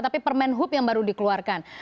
tapi permen hub yang baru dikeluarkan